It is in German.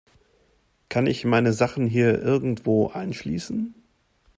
Kann ich meine Sachen hier irgendwo einschließen?